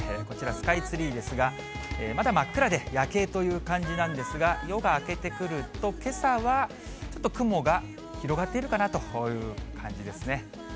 こちら、スカイツリーですが、まだ真っ暗で夜景という感じなんですが、夜が明けてくると、けさはちょっと雲が広がってるかなという感じですね。